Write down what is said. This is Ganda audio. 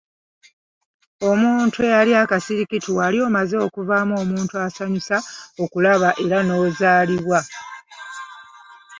Omuntu eyali akasirikitu wali omaze okuvaamu omuntu asanyusa okulaba era n'ozaalibwa.